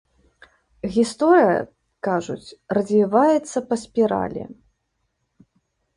Гісторыя, кажуць, развіваецца па спіралі.